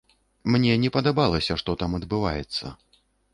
Мне не падабалася, што там адбываецца.